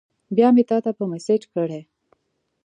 بیا مې تاته په میسج کړی